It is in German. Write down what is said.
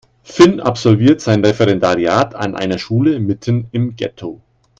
Finn absolviert sein Referendariat an einer Schule mitten im Ghetto.